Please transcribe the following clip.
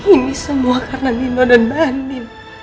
ini semua karena nino dan bhandi